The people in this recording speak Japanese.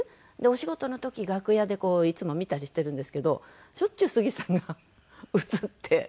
お仕事の時楽屋でいつも見たりしてるんですけどしょっちゅう杉さんが映って。